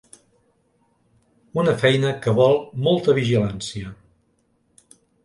Una feina que vol molta vigilància.